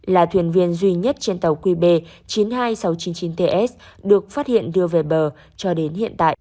là thuyền viên duy nhất trên tàu qb chín mươi hai nghìn sáu trăm chín mươi chín ts được phát hiện đưa về bờ cho đến hiện tại